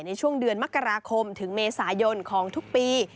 ในช่วงเดือนมกราคมถึงเมษายนของทุกปี